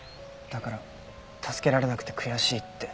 だから助けられなくて悔しいって。